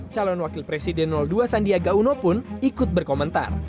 calon wakil presiden dua sandiaga uno pun ikut berkomentar